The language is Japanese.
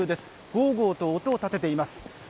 ごうごうと音を立てています。